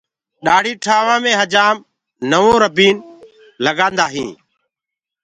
ڏآڙهي ٺآوآ مي هجآم نوَو ربيٚن استمآل ڪردآ هينٚ۔